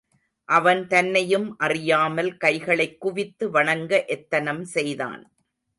அவன் தன்னையும் அறியாமல், கைகளைக் குவித்து வணங்க எத்தனம் செய்தான்.